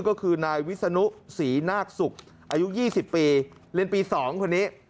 ก็คือนายวิศนุศรีนาคศุกร์อายุ๒๐ปีเรียนปี๒คนนี้